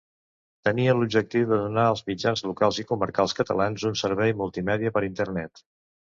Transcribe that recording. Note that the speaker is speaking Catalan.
Tenia l'objectiu de donar als mitjans locals i comarcals catalans un servei multimèdia per Internet.